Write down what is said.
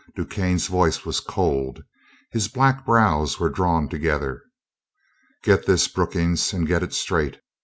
DuQuesne's voice was cold, his black brows were drawn together. "Get this, Brookings, and get it straight.